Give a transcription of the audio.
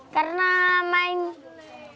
karena main permainan tradisional lebih sering